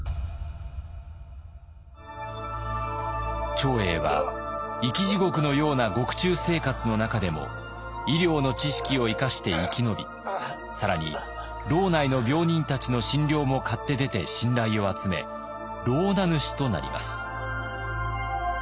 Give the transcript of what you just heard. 長英は生き地獄のような獄中生活の中でも医療の知識を生かして生き延び更に牢内の病人たちの診療も買って出て信頼を集め牢名主となります。